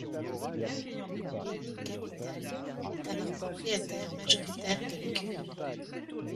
Genii Capital est alors propriétaire majoritaire de l’écurie.